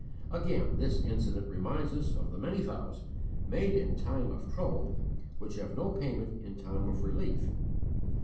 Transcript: Again, this incident reminds us of the many vows, made in time of trouble, which have no payment in time of relief.